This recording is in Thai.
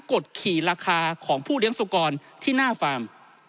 กดขี่ราคาของผู้เลี้ยงสุกรที่หน้าฟาร์ม